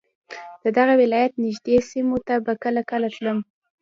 د دغه ولایت نږدې سیمو ته به کله کله تلم.